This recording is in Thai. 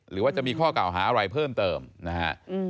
หรือว่าจะมีข้อเก่าหาอะไรเพิ่มเติมนะฮะ